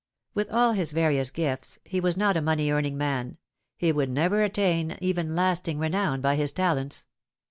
With all his various gifts he was not a money earning man, he would never attain even lasting renown by his talents.